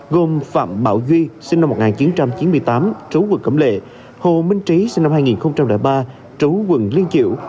gồm phạm bảo duy sinh năm một nghìn chín trăm chín mươi tám trú quận cẩm lệ hồ minh trí sinh năm hai nghìn ba trú quận liên triểu